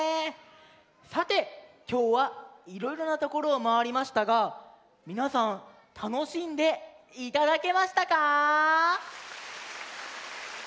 さてきょうはいろいろなところをまわりましたがみなさんたのしんでいただけましたか？